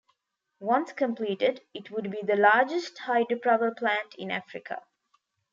Once completed, it would be the largest hydropower plant in Africa.